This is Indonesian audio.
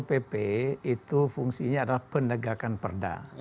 pp itu fungsinya adalah penegakan perda